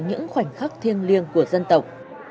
những khoảnh khắc thiêng liêng của dân tộc